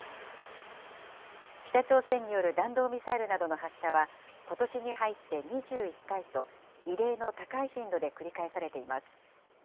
北朝鮮による弾道ミサイルなどの発射は、ことしに入って２１回と、異例の高い頻度で繰り返されています。